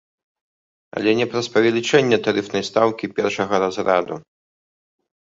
Але не праз павелічэнне тарыфнай стаўкі першага разраду.